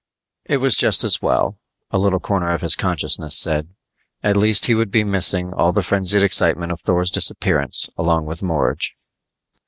"It was just as well," a little corner of his consciousness said. At least he would be missing all the frenzied excitement of Thor's disappearance along with Morge.